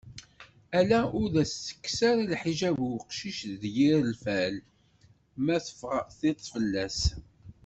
Ala ur as-ttekkes ara leḥjab i uqcic d yir lfal ma fɣa tiṭ fell-as.